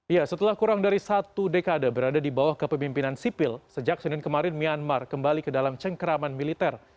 ya setelah kurang dari satu dekade berada di bawah kepemimpinan sipil sejak senin kemarin myanmar kembali ke dalam cengkeraman militer